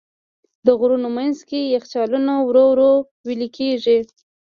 د غرونو منځ کې یخچالونه ورو ورو وېلې کېږي.